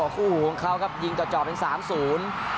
คู่หูของเขาครับยิงต่อจอเป็น๓๐